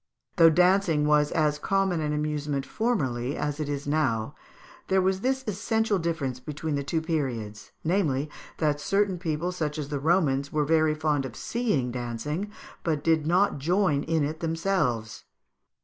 Though dancing was as common an amusement formerly as it is now, there was this essential difference between the two periods, namely, that certain people, such as the Romans, were very fond of seeing dancing, but did not join in it themselves.